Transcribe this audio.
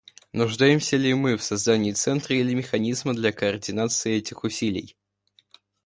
Нуждаемся ли мы в создании центра или механизма для координации этих усилий?